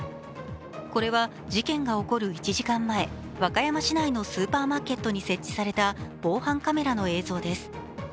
これは事件が起こる１時間前、和歌山市内のスーパーマーケットに設置された防犯カメラの映像です。